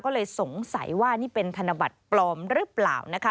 ก็เลยสงสัยว่านี่เป็นธนบัตรปลอมหรือเปล่านะคะ